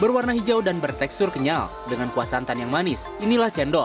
berwarna hijau dan bertekstur kenyal dengan kuah santan yang manis inilah cendol